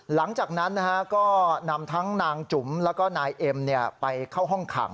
หลังจากนั้นก็นำทั้งนางจุ๋มแล้วก็นายเอ็มไปเข้าห้องขัง